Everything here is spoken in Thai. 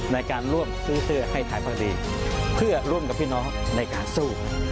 ในการร่วมซื้อเสื้อให้ถ่ายพอดีเพื่อร่วมกับพี่น้องในการสู้